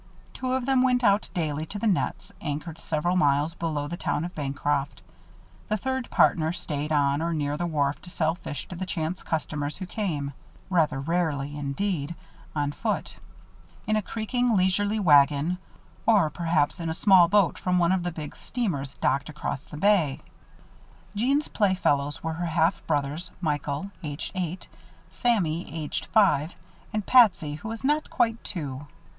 Two of them went out daily to the nets, anchored several miles below the town of Bancroft. The third partner stayed on or near the wharf to sell fish to the chance customers who came (rather rarely indeed) on foot; in a creaking, leisurely wagon; or perhaps in a small boat from one of the big steamers docked across the Bay. Jeanne's playfellows were her half brothers Michael, aged eight, Sammy, aged five, and Patsy, who was not quite two.